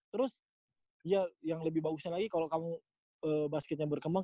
terus ya yang lebih bagusnya lagi kalau kamu basketnya berkembang